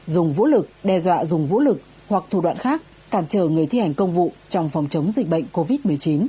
dùng vũ lực đe dọa dùng vũ lực hoặc thủ đoạn khác cản trở người thi hành công vụ trong phòng chống dịch bệnh covid một mươi chín